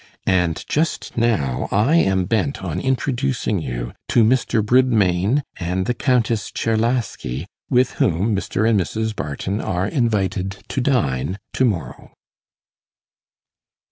And just now I am bent on introducing you to Mr. Bridmain and the Countess Czerlaski, with whom Mr. and Mrs. Barton are invited to dine to morrow.